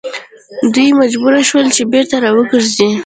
دوی مجبور شول چې بیرته وګرځي.